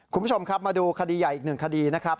คุณผู้ชมครับมาดูคดีใหญ่อีกหนึ่งคดีนะครับ